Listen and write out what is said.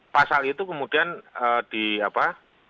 pasal itu kemudian di apa